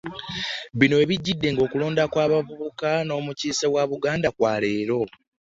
Bino we bijjidde ng'okulonda kw'omukiise w'abavubuka omuli n'owa Buganda kwa leero